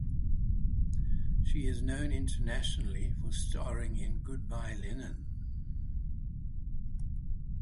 She is known internationally for starring in Good Bye Lenin!